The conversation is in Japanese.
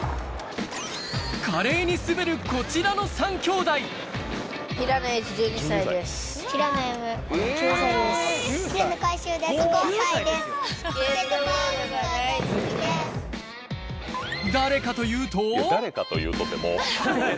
華麗に滑るこちらの３兄弟誰かというとってもう。